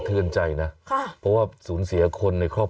เบื้องต้น๑๕๐๐๐และยังต้องมีค่าสับประโลยีอีกนะครับ